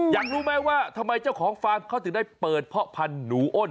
อยากรู้ไหมว่าทำไมเจ้าของฟาร์มเขาถึงได้เปิดเพาะพันธุ์หนูอ้น